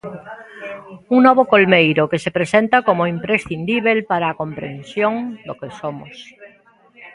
Un novo Colmeiro que se presenta como imprescindíbel para a comprensión do que somos.